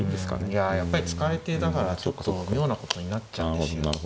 いややっぱり突かれてだからちょっと妙なことになっちゃうんですよ。